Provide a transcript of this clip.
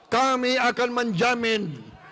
kami akan menjamin